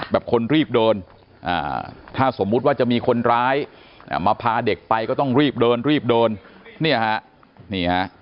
แบบคนรีบเดินถ้าสมมุติว่าจะมีคนร้ายมาพาเด็กไปก็ต้องรีบเดินรีบเดินเนี่ยฮะนี่ฮะ